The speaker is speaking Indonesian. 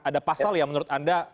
ada pasal yang menurut anda